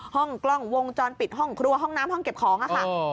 ห้องกล้องวงจรปิดห้องครัวห้องน้ำห้องเก็บของค่ะ